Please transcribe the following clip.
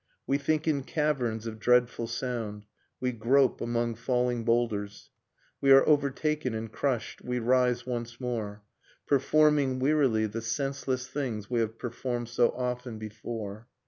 We think in caverns of dreadful sound. We grope among falling boulders, We are overtaken and crushed, we rise once more. Performing, wearily, The senseless things v/e have performed so often before.